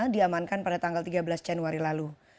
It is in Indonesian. diamankan pada tanggal tiga belas januari lalu